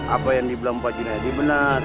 apa yang dibilang pak junaidi benar